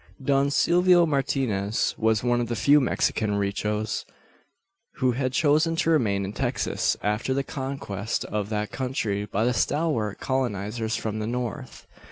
Don Silvio Martinez was one of the few Mexican ricos, who had chosen to remain in Texas, after the conquest of that country by the stalwart colonisers from the North.